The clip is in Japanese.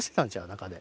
中で。